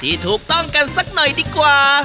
ที่ถูกต้องกันสักหน่อยดีกว่า